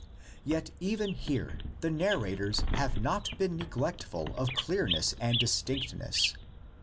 Yet even here the narrators have not been neglectful of clear ness and distinctness.